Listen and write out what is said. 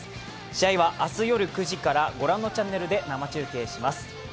試合は明日夜９時から御覧のチャンネルで生中継します。